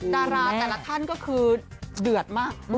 ดาราแต่ละท่านก็คือเดือดมาก